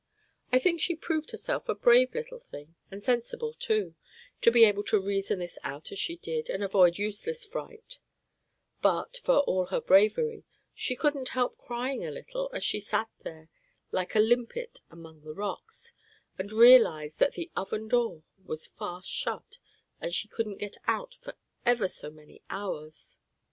I think she proved herself a brave little thing, and sensible, too, to be able to reason this out as she did, and avoid useless fright; but, for all her bravery, she couldn't help crying a little as she sat there like a limpet among the rocks, and realized that the Oven door was fast shut, and she couldn't get out for ever so many hours.